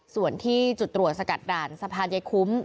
ส่วนที่จุดตรวจสกัดด่านสะพานใยคุ้ม